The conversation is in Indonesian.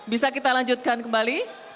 bisa kita lanjutkan kembali